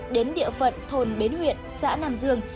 đến địa phận thôn bến huyện xã nam dương